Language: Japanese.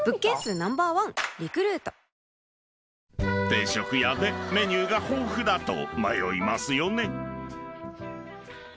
［定食屋でメニューが豊富だと迷いますよね］